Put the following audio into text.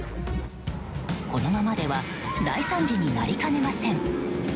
このままでは大惨事になりかねません。